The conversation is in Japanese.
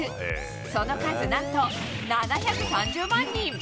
その数、何と７３０万人。